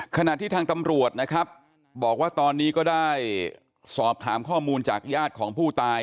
ขณะที่ทางตำรวจนะครับบอกว่าตอนนี้ก็ได้สอบถามข้อมูลจากญาติของผู้ตาย